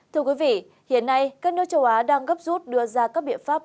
thưa quý vị hiện nay các nước châu á đang gấp rút đưa ra các biện pháp